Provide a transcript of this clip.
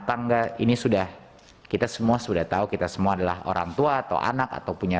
tangga ini sudah kita semua sudah tahu kita semua adalah orang tua atau anak atau punya